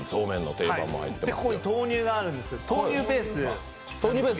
ここに豆乳があるんですけど、豆乳ベースで。